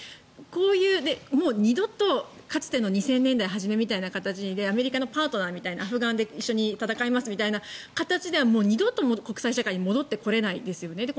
こういう、二度とかつての２０００年代初めみたいなアメリカのパートナーみたいにアフガンで一緒に戦いますみたいな形では二度と国際社会に戻ってこれないですよね。